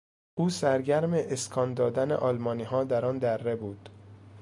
او سرگرم اسکان دادن آلمانیها در آن دره بود.